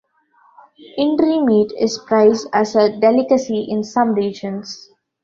Indri meat is prized as a delicacy in some regions.